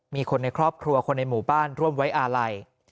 มีคนในครอบครัวคนในหมู่บ้านร่วมไว้อาลัย